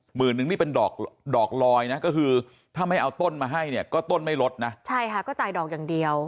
นึงนี่เป็นดอกดอกลอยนะก็คือถ้าไม่เอาต้นมาให้เนี่ยก็ต้นไม่ลดนะใช่ค่ะก็จ่ายดอกอย่างเดียว